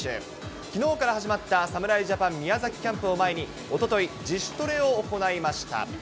きのうから始まった侍ジャパン、宮崎キャンプを前に、おととい、自主トレを行いました。